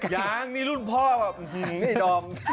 ยังนี่รุ่นพ่อแบบหื้มไม่ได้อดอม